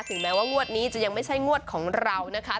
แม้ว่างวดนี้จะยังไม่ใช่งวดของเรานะคะ